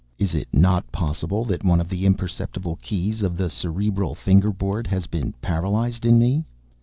Is it not possible that one of the imperceptible keys of the cerebral finger board has been paralyzed in me?